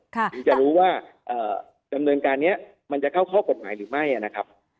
ถึงจะรู้ว่าดำเนินการนี้มันจะเข้าข้อกฎหมายหรือไม่นะครับ